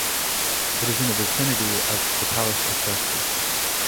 It is in the vicinity of the Palace of Justice.